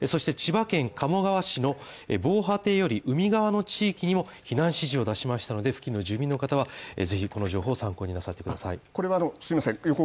千葉県鴨川市の防波堤より海側の地域にも避難指示を出しましたので付近の住民の方はぜひこの情報を参考になさってください。